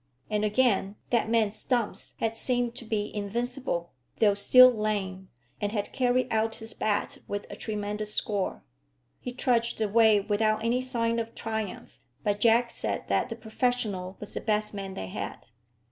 And again, that man Stumps had seemed to be invincible, though still lame, and had carried out his bat with a tremendous score. He trudged away without any sign of triumph; but Jack said that the professional was the best man they had.